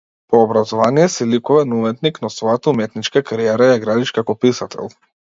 По образование си ликовен уметник, но својата уметничка кариера ја градиш како писател.